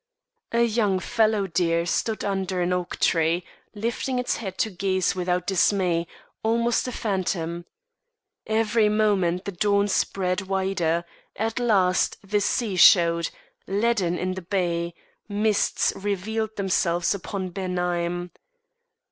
A young fallow deer stood under an oak tree, lifting its head to gaze without dismay, almost a phantom; every moment the dawn spread wider; at last the sea showed, leaden in the bay, mists revealed themselves upon Ben Ime.